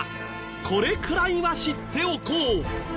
これくらいは知っておこう。